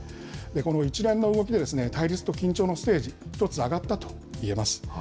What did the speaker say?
この一連の動きで、対立と緊張のステージ、１つ上がったといえます。